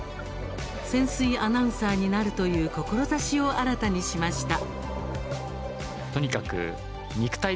潜水アナウンサーになるという志を新たにしました。